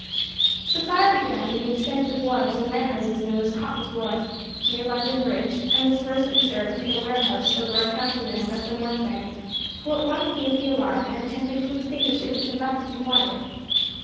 The fire began in the extensive wharves and warehouses known as Cotton's Wharf, near London Bridge, and was first observed in a warehouse over a counting room by some workmen, who at once gave the alarm, and attempted to extinguish it with some buckets of water.